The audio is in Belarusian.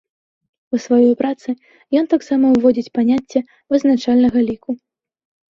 У сваёй працы ён таксама ўводзіць паняцце вызначальнага ліку.